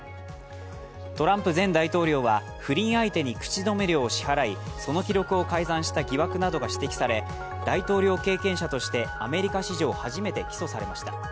トランプ前大統領は不倫相手に口止め料を支払いその記録を改ざんした疑惑などが指摘され大統領経験者としてアメリカ史上初めて起訴されました。